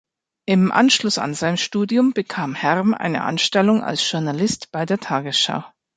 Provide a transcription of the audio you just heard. Im Anschluss an sein Studium bekam Herm eine Anstellung als Journalist bei der Tagesschau.